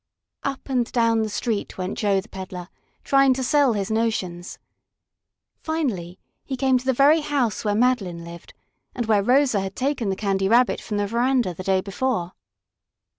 Up and down the street went Joe the peddler, trying to sell his notions. Finally he came to the very house where Madeline lived, and where Rosa had taken the Candy Rabbit from the veranda the day before.